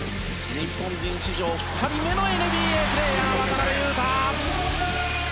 日本人史上２人目のＮＢＡプレーヤー、渡邊雄太！